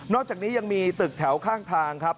อกจากนี้ยังมีตึกแถวข้างทางครับ